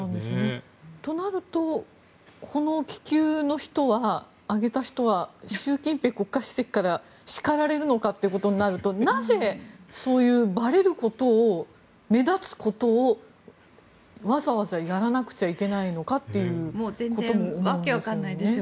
となるとこの気球を上げた人は習近平国家主席から叱られるのかということになるとなぜそういうばれることを目立つことをわざわざやらなくちゃいけないのかということも思うんですが。